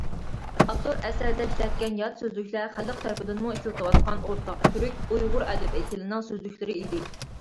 ئاپتور ئەسەردە ئىشلەتكەن يات سۆزلۈكلەر خەلق تەرىپىدىنمۇ ئىشلىتىلىۋاتقان ئورتاق تۈرك(ئۇيغۇر) ئەدەبىي تىلىنىڭ سۆزلۈكلىرى ئىدى.